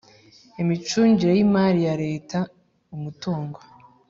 Imicungire y imari ya leta umutungo